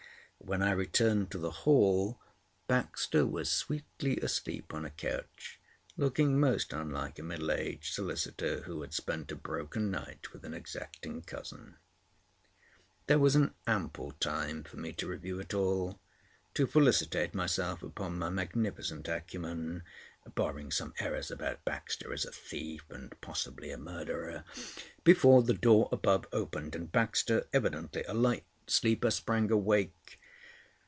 When I returned to the hall, Baxter was sweetly asleep on a couch, looking most unlike a middle aged solicitor who had spent a broken night with an exacting cousin. There was ample time for me to review it all—to felicitate myself upon my magnificent acumen (barring some errors about Baxter as a thief and possibly a murderer), before the door above opened, and Baxter, evidently a light sleeper, sprang awake.